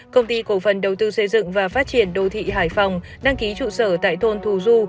công ty cổ phần đầu tư xây dựng và phát triển đô thị hải phòng đăng ký trụ sở tại thôn thù du